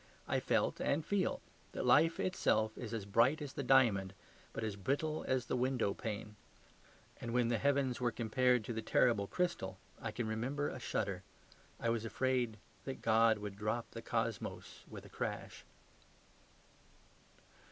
I felt and feel that life itself is as bright as the diamond, but as brittle as the window pane; and when the heavens were compared to the terrible crystal I can remember a shudder. I was afraid that God would drop the cosmos with a crash.